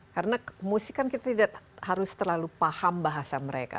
karena musik kan kita tidak harus terlalu paham bahasa mereka